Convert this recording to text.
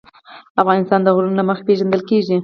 افغانستان د غرونه له مخې پېژندل کېږي.